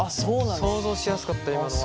想像しやすかった今のは。